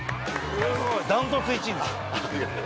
断トツ１位です。